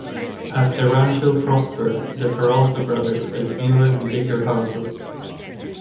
As the rancho prospered, the Peralta brothers built newer and bigger houses.